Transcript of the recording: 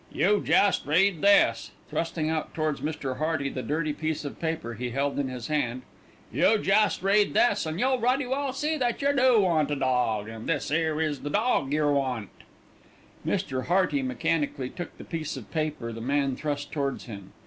"You jest read this," thrusting out towards Mr. Hearty the dirty piece of paper he held in his hand. "You jest read this an' you'll ruddy well see that yer do want a dawg, an' this 'ere is the dawg yer want." Mr. Hearty mechanically took the piece of paper the man thrust towards him.